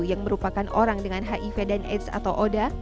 yang merupakan orang dengan hiv dan aids atau oda